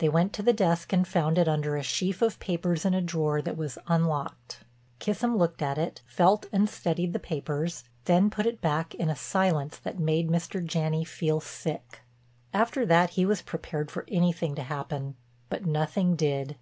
They went to the desk and found it under a sheaf of papers in a drawer that was unlocked. Kissam looked at it, felt and studied the papers, then put it back in a silence that made Mr. Janney feel sick. After that he was prepared for anything to happen, but nothing did.